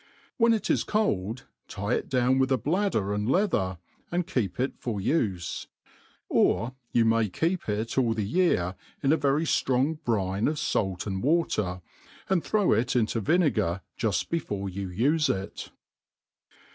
When it is cold, tie it down with a bladder and leather, and keep it for ufe. Ox you may keep it all the year in a very ftrong brine of fait apd water, and throw it into vinegar juft before you ufe it.